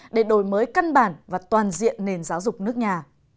để đổi mới căn bản và toàn diện nền giáo dục nước nhà